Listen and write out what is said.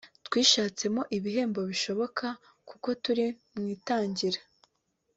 twishatsemo ibihembo bishoboka kuko turi mu itangira